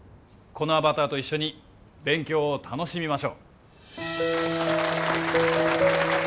このアバターと一緒に勉強を楽しみましょう・